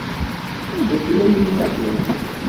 Anda tella yemma-twen?